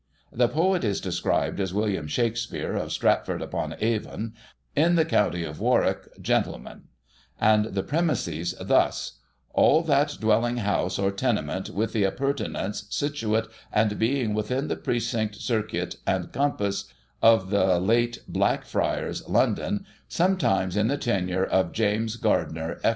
The poet is described as " Wm. Shakspeare, of Stratforde upon Avon, in the countie of Warwick, gentle man "; and the premises thus :" All that dwelling house, or tenement, with the appurtenance, situate and being within the precinct, circuit and compasse of the late black ffryers, Lon don, sometymes in the tenure of James Gardiner, Esq^.